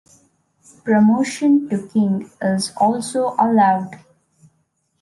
Promotion to king is also allowed.